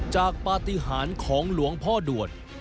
ปฏิหารของหลวงพ่อด่วน